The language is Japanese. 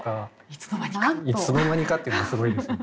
いつの間にかっていうのがすごいですね。